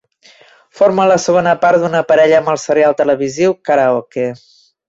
Forma la segona part d'una parella amb el serial televisiu "Karaoke".